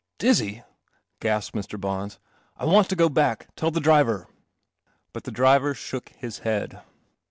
" Dizzy !" gasped Mr. Bons. " I want to go back. Tell the driver." But the driver shook his head.